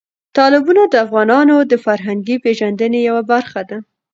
تالابونه د افغانانو د فرهنګي پیژندنې یوه برخه ده.